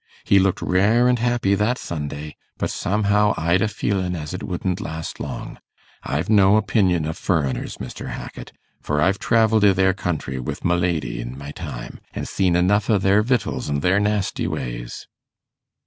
He looked rare and happy that Sunday; but somehow, I'd a feelin' as it wouldn't last long. I've no opinion o' furriners, Mr. Hackit, for I've travelled i' their country with my lady in my time, an' seen enough o' their victuals an' their nasty ways.